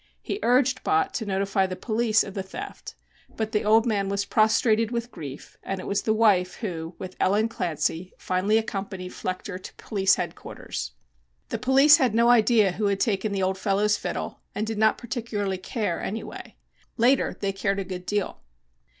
He urged Bott to notify the police of the theft, but the old man was prostrated with grief, and it was the wife who, with Ellen Clancy, finally accompanied Flechter to Police Headquarters. The police had no idea who had taken the old fellow's fiddle, and did not particularly care anyway. Later they cared a good deal.